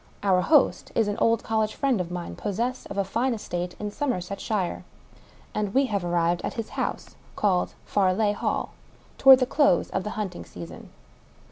Our host is an old college friend of mine, possessed of a fine estate in Somer •setshire ; and we have arrived at his house — called Farleigh Hall — ^toward the close of the hunting season.